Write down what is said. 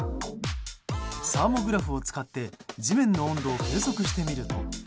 サーモグラフを使って地面の温度を計測してみると。